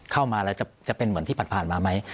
เข้ามาแล้วจะเป็นเหมือนที่ผ่านมาไหม